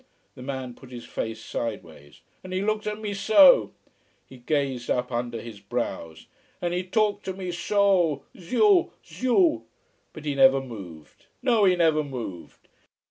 The man put his face sideways. "And he looked at me so!" He gazed up under his brows. "And he talked to me so o: Zieu! Zieu! But he never moved. No, he never moved.